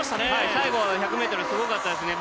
最後の１００ｍすごかったですね。